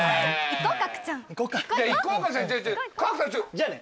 じゃあね。